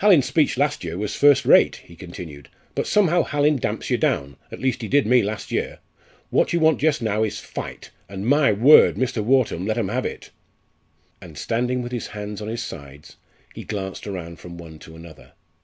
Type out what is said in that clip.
"Hallin's speech last year was first rate," he continued, "but somehow Hallin damps you down, at least he did me last year; what you want just now is fight and, my word! Mr. Wharton let 'em have it!" And standing with his hands on his sides, he glanced round from one to another.